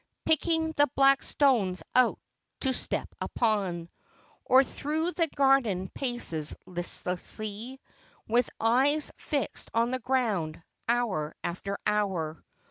Picking the black stones out to step upon; Or through the garden paces listlessly With eyes fixed on the ground, hour after hour.